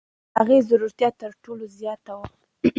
د هغې زړورتیا تر ټولو زیاته وه.